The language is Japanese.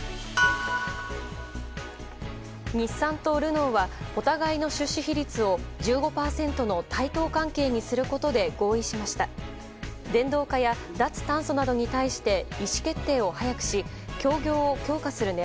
日産とルノーはお互いの出資比率を１５％の対等関係にすることで合意しました。